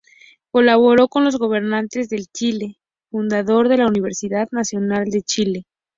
Colaboró con los gobernantes de Chile, fundador de la Universidad Nacional de Chile.